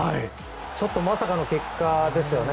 ちょっとまさかの結果ですよね。